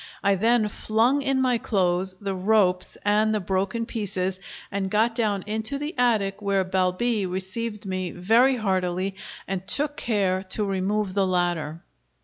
I then flung in my clothes, the ropes and the broken pieces, and got down into the attic, where Balbi received me very heartily and took care to remove the ladder.